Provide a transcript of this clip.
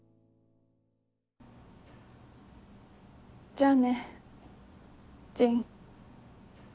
じゃあね仁。